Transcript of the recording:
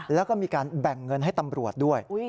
แล้วก็มีการแบ่งเงินให้ตำรวจด้วย